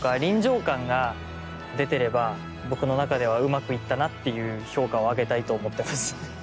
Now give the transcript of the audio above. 僕の中ではうまくいったなっていう評価をあげたいと思ってます。